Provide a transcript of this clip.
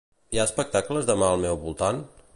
Hi ha espectacles demà al meu voltant?